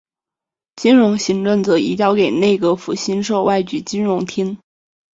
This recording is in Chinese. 金融行政则移交给内阁府新设外局金融厅。